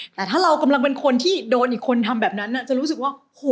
แต่ถ้าเรากำลังเป็นคนที่โดนอีกคนทำแบบนั้นจะรู้สึกว่า